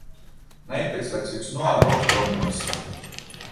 Näiteks läks üks NOA kokk Londonisse.